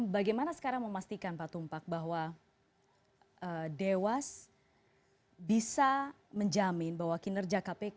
bagaimana sekarang memastikan pak tumpak bahwa dewas bisa menjamin bahwa kinerja kpk